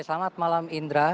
selamat malam indra